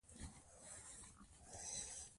ملالۍ د جګړې په ډګر کې ولاړه ده.